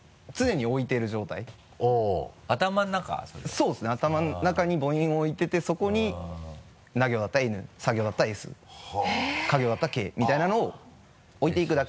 そうですね頭の中に母音を置いててそこに「な行だったらＮ」「さ行だったらＳ」「か行だったらＫ」みたいなのを置いていくだけ。